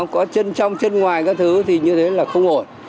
có chân trong chân ngoài các thứ thì như thế là không ổn